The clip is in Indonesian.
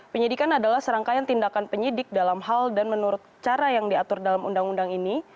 penyidikan adalah serangkaian tindakan penyidik dalam hal dan menurut cara yang diatur dalam undang undang ini